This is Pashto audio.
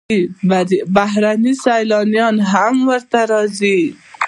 بهرني سیلانیان هم ورته راځي.